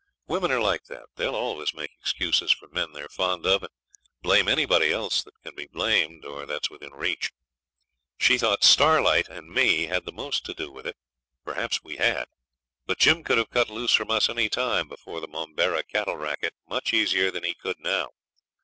Women are like that. They'll always make excuses for men they're fond of and blame anybody else that can be blamed or that's within reach. She thought Starlight and me had the most to do with it perhaps we had; but Jim could have cut loose from us any time before the Momberah cattle racket much easier than he could now.